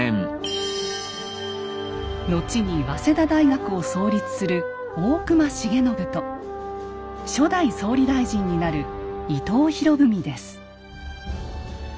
後に早稲田大学を創立する大隈重信と初代総理大臣になる伊藤博文です。